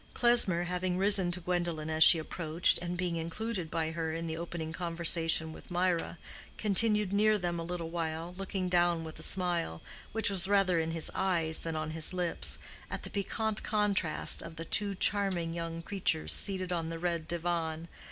Klesmer, having risen to Gwendolen as she approached, and being included by her in the opening conversation with Mirah, continued near them a little while, looking down with a smile, which was rather in his eyes than on his lips, at the piquant contrast of the two charming young creatures seated on the red divan.